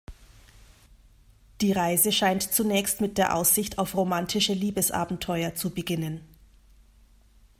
Die Reise scheint zunächst mit der Aussicht auf romantische Liebesabenteuer zu beginnen.